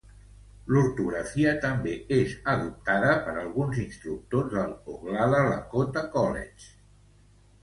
L'ortografia també és adoptada per alguns instructors del Oglala Lakota College.